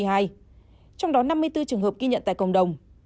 trong đó năm mươi bốn trường hợp ghi nhận tại cộng đồng